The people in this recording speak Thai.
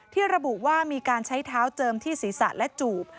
ระบุว่ามีการใช้เท้าเจิมที่ศีรษะและจูบ